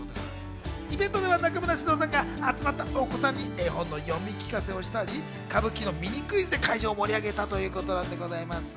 イベントでは中村獅童さんが集まったお子さんに絵本の読み聞かせをしたり、ミニクイズで会場を盛り上げたりしたんです。